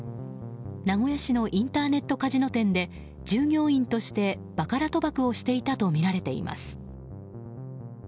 名古屋市のインターネットカジノ店で従業員としてバカラ賭博をしていたとみられています。